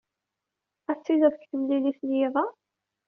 Ad tilid deg temlilit n yiḍ-a?